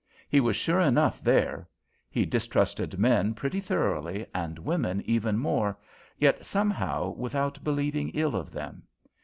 He was sure enough there. He distrusted men pretty thoroughly and women even more, yet somehow without believing ill of them.